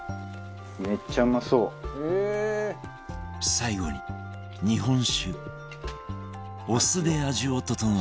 最後に日本酒お酢で味を調え